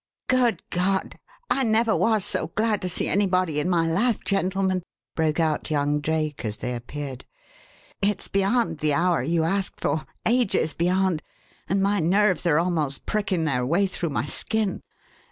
"Good God! I never was so glad to see anybody in my life, gentlemen," broke out young Drake as they appeared. "It's beyond the hour you asked for ages beyond and my nerves are almost pricking their way through my skin.